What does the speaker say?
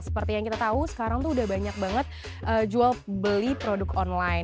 seperti yang kita tahu sekarang tuh udah banyak banget jual beli produk online